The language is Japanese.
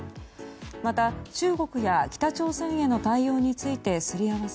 また、中国や北朝鮮への対応についてすり合わせ